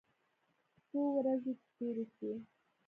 څو ورځې چې تېرې سوې.